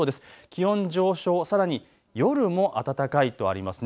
気温上昇、さらに夜も暖かいとあります。